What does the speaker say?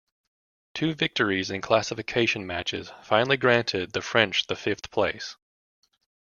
Two victories in classification matches finally granted the French the fifth place.